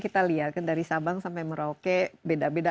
kita lihat kan dari sabang sampai merauke beda beda